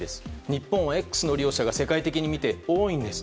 日本は「Ｘ」の利用者が世界的に見て多いんです。